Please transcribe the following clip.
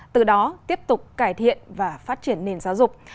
từ đó tiếp tục cải thiện và phát triển nền giáo dục